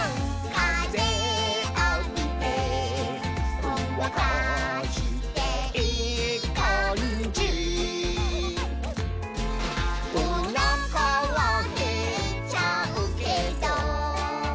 「かぜあびてほんわかしていいかんじ」「おなかはへっちゃうけど」